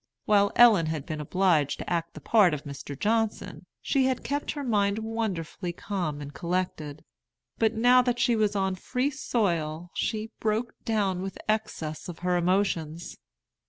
While Ellen had been obliged to act the part of Mr. Johnson, she had kept her mind wonderfully calm and collected. But now that she was on free soil she broke down with the excess of her emotions.